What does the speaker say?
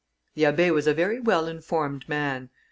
The Abbé was a very well informed man.